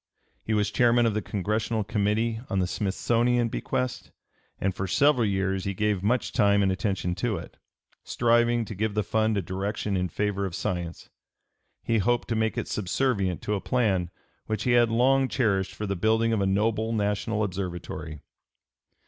He was Chairman of the Congressional Committee on the Smithsonian bequest, and for several years he gave much time and attention to it, striving to give the fund a direction in favor of science; he (p. 304) hoped to make it subservient to a plan which he had long cherished for the building of a noble national observatory.